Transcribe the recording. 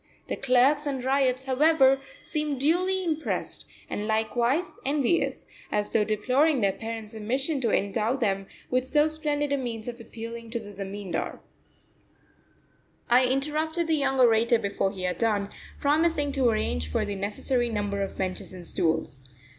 The clerks and ryots, however, seemed duly impressed, and likewise envious, as though deploring their parents' omission to endow them with so splendid a means of appealing to the Zamindar. I interrupted the young orator before he had done, promising to arrange for the necessary number of benches and stools.